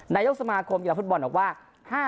นายกสมาคมกีฬาฟุตบอลบอกว่า